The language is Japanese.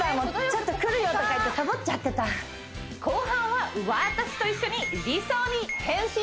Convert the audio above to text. ちょっとくるよとかいってサボっちゃってた後半は私と一緒に理想に変身！